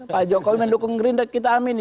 pak jokowi mendukung gerindra kita amin